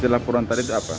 laporan tadi apa